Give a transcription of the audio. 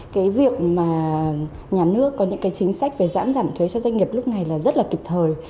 cái việc mà nhà nước có những cái chính sách về giãn giảm thuế cho doanh nghiệp lúc này là rất là kịp thời